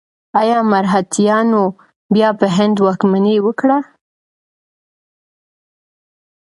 ایا مرهټیانو بیا په هند واکمني وکړه؟